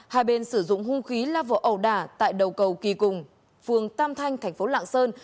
hai bên sử dụng hung khí la vỏ ẩu đả tại đầu cầu kỳ cùng phường tam thanh thành phố lạng sơn